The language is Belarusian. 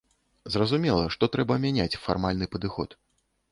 Зразумела, што трэба мяняць фармальны падыход.